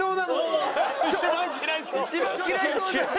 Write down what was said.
一番嫌いそうじゃない？